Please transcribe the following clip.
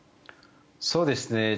そうですね。